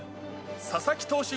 佐々木投手